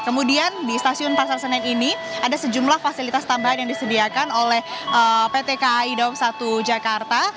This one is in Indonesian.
kemudian di stasiun pasar senen ini ada sejumlah fasilitas tambahan yang disediakan oleh pt kai daop satu jakarta